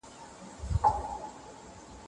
د کارګرانو د کار کولو مثمريت تر پخوا ښه سوى دى.